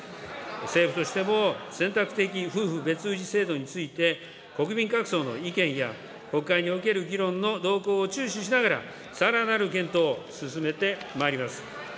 政府としては選択的夫婦別氏制度について、国民各層の意見や、国会における議論の動向を注視しながら、さらなる検討を進めてまいります。